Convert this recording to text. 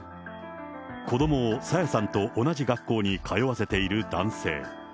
子どもを朝芽さんと同じ学校に通わせている男性。